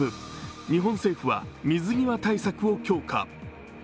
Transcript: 日本政府は水際対策を強化。